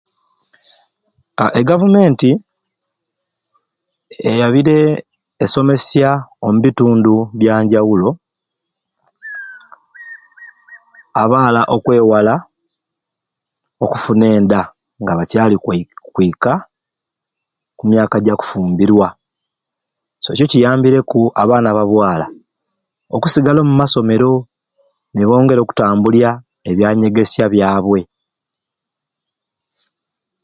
A e Gavumenti eyabire esomesya omubitundu bya njawulo abaala okwewala okufuna enda nga bacaali kwei kwika ku myaka gya kufumburwa so ekyo kiyambireku abaana ba bwaala okusigala omu masomero nibongera okutambulya ebyanyegesya byabwe.